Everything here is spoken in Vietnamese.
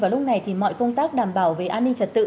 và lúc này thì mọi công tác đảm bảo về an ninh trật tự